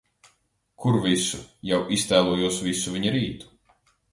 Kur visu. Jau iztēlojos visu viņa rītu.